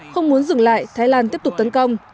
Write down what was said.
không muốn dừng lại thái lan tiếp tục tấn công